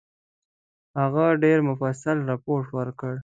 هغه ډېر مفصل رپوټ ورکړ.